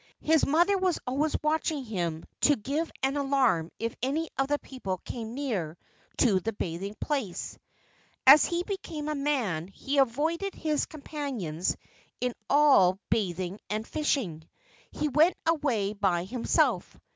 His mother was always watching him to give an alarm if any of the people came near to the bathing place. As he became a man he avoided his companions in all bathing and fishing. He went away by himself.